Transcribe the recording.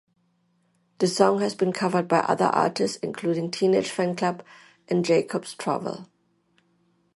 The song has been covered by other artists, including Teenage Fanclub and Jacob's Trouble.